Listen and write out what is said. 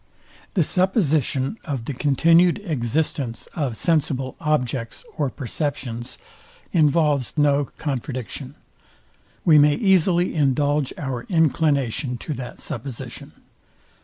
The supposition of the continued existence of sensible objects or perceptions involves no contradiction. We may easily indulge our inclination to that supposition.